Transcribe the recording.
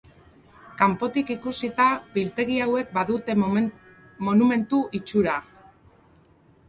Kanpotik ikusita biltegi hauek badute monumentu itxura.